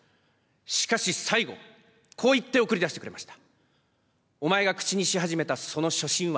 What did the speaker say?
しかし最後、こう言って送り出してくれました。